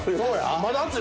まだ熱い。